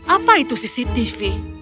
apa itu cctv